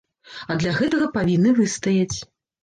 А для гэтага павінны выстаяць.